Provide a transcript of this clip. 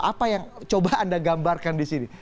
apa yang coba anda gambarkan di sini